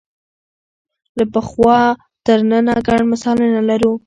له پخوا تر ننه ګڼ مثالونه لرو